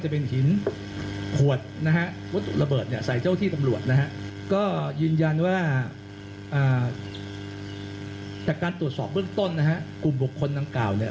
บอกเรื่องต้นนะครับกลุ่มบุคคลทั้งเก่า